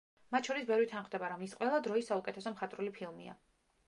მათ შორის ბევრი თანხმდება, რომ ის ყველა დროის საუკეთესო მხატვრული ფილმია.